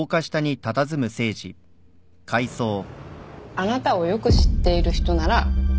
あなたをよく知っている人なら知ってるわ